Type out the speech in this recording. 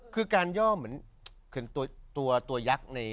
คือการย่อมเหมือนกับตัวยักษ์ใน